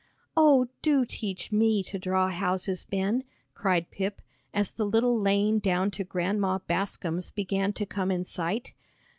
"Oh, do teach me to draw houses, Ben," cried Pip, as the little lane down to Grandma Bascom's began to come in sight.